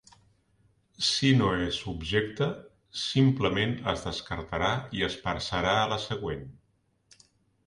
Si no és objecte, simplement es descartarà i es passara a la següent.